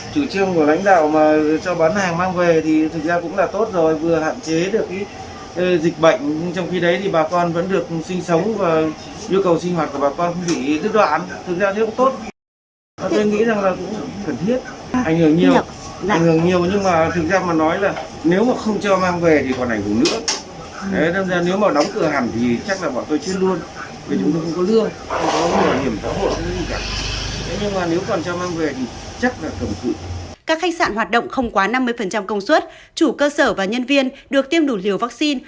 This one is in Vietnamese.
các khách sạn hoạt động không quá năm mươi công suất chủ cơ sở và nhân viên được tiêm đủ liều vắc xin